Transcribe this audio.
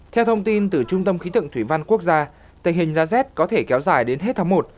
theo thông tin từ trung tâm khí tượng thủy văn quốc gia tình hình giá rét có thể kéo dài đến hết tháng một